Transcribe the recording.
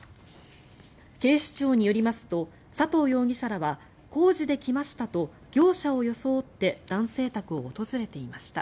警視庁によりますと佐藤容疑者らは工事で来ましたと業者を装って男性宅を訪れていました。